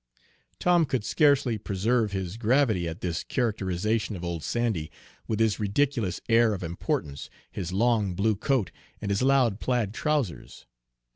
Tom could scarcely preserve his gravity at this characterization of old Sandy, with his ridiculous air of importance, his long blue coat, and his loud plaid trousers.